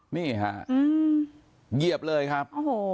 นี่ค่ะเหยียบเลยครับ